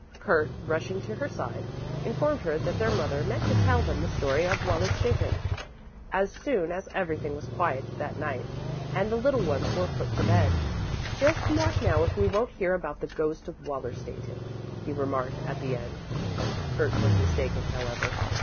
Kurt, rushing to her side, informed her that their mother meant to tell them the story of Wallerstätten as soon as everything was quiet that night and the little ones were put to bed: "Just mark now if we won't hear about the ghost of Wallerstätten," he remarked at the end. Kurt was mistaken, however.